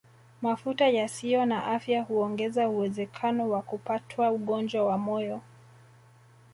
Mafuta yasiyo na afya huongeza uwezekano wa kupatwa ugonjwa wa moyo